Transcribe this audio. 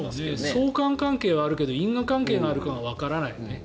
相関関係はあるけど因果関係があるかはわからないよね。